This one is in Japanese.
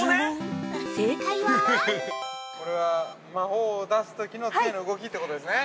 ◆これは、魔法を出すときのつえの動きということですね？